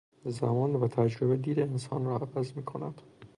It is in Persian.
زمان و تجربه دید انسان را عوض میکند.